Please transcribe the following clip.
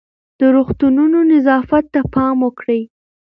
د روغتونونو نظافت ته پام وکړئ.